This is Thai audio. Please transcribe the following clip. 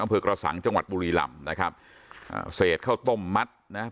อำเภอกระสังจังหวัดบุรีลำนะครับอ่าเศษข้าวต้มมัดนะ